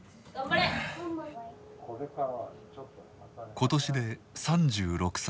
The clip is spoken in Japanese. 今年で３６歳。